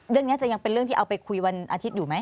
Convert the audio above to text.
เรื่องนี้จะยังเป็นเรื่องที่เอาไปคุยวันอาทิตย์อยู่ไหม